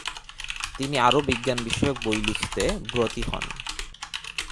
তিনি আরো বিজ্ঞান বিষয়ক বই লিখতে ব্রতী হন।